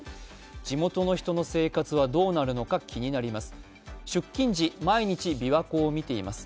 地元の人の生活はどうなるのか気になります。